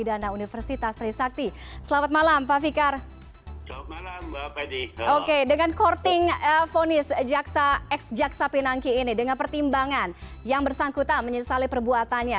dengan pertimbangan yang bersangkutan menyesali perbuatannya